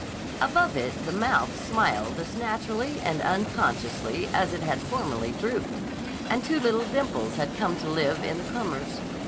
Above it the mouth smiled as naturally and unconsciously as it had formerly drooped, and two little dimples had come to live in the comers.